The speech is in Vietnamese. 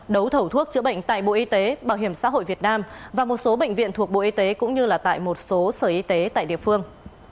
đấu thầu thuốc chữa bệnh tại bộ y tế bảo hiểm xã hội việt nam và một số bệnh viện thuộc bộ y tế cũng như tại một số sở y tế tại địa phương